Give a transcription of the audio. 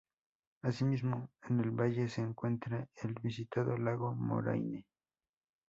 Asimismo, en el valle se encuentra el visitado lago Moraine.